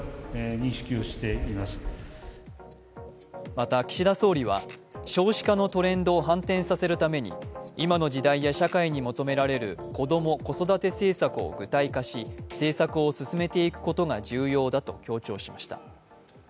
また岸田総理は少子化のトレンドを反転させるために今の時代や社会に求められる子ども・子育て政策を具体化し政策を進めていくことが重要だと強調しました。